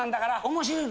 面白いの。